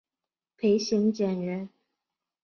裴行俭人。